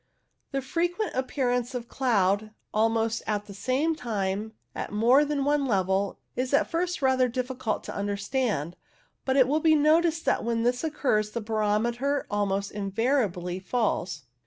The frequent appearance of cloud almost at the same time at more than one level is at first rather difificult to understand, but it will be noticed that when this occurs the barometer almost invariably GENERAL RESULTS 153 falls.